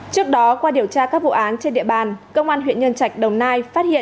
trước đó qua điều tra các vụ án trên địa bàn công an huyện nhân trạch đồng nai phát hiện